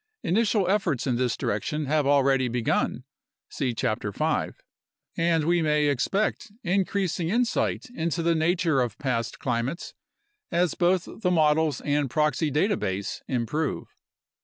Initial efforts in this direction have already begun (see Chapter 5), and we may expect increasing insight into the nature of past climates as both the models and proxy data base improve.